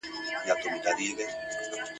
واکمن به نامحرمه د بابا د قلا نه وي ..